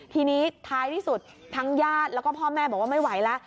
ทีนี้ท้ายที่สุดทั้งญาติแล้วก็พ่อแม่บอกว่าไม่ไหวแล้ว